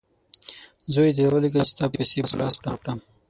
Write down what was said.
زوی دي راولېږه چې ستا پیسې په لاس ورکړم!